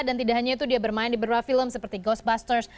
dan tidak hanya itu dia bermain di beberapa film seperti ghostbusters